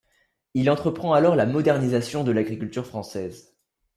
Il entreprend alors la modernisation de l'agriculture française.